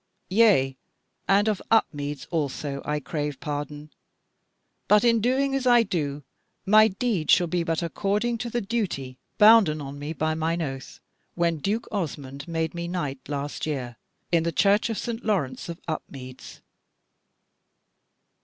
Yea, and of Upmeads also I crave pardon. But in doing as I do, my deed shall be but according to the duty bounden on me by mine oath, when Duke Osmond made me knight last year, in the church of St. Laurence of Upmeads."